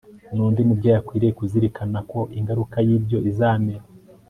nundi mubyeyi akwiriye kuzirikana uko ingaruka yibyo izamera